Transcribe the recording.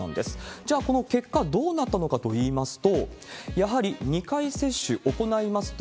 じゃあ、この結果どうなったのかといいますと、やはり２回接種行いますと、